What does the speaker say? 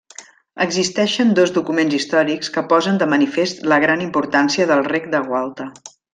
Existeixen dos documents històrics que posen de manifest la gran importància del rec de Gualta.